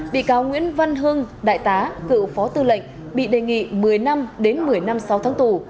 bị cáo nguyễn văn hưng đại tá cựu phó tư lệnh bị đề nghị một mươi năm đến một mươi năm sáu tháng tù